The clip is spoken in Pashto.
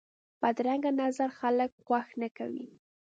بدرنګه نظر خلک خوښ نه کوي